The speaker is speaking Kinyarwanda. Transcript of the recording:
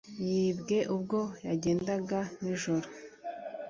yibwe ubwo yagendaga nijoro.